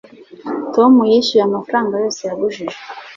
tom yishyuye amafaranga yose yagujije